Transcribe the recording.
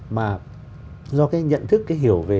mà do cái nhận thức cái hiểu về